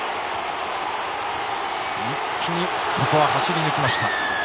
一気にここは走り抜けました。